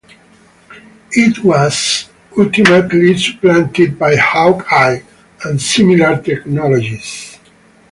It was ultimately supplanted by Hawk-Eye and similar technologies.